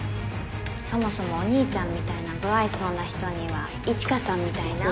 そもそもお兄ちゃんみたいな無愛想な人には一華さんみたいな